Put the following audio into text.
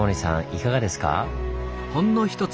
いかがですか？